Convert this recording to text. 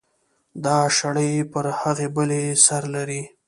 دا شړۍ پر هغې بلې سر لري.